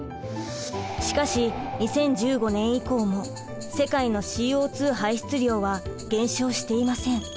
しかし２０１５年以降も世界のＣＯ２排出量は減少していません。